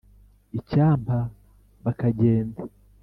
icyampa bakagenda,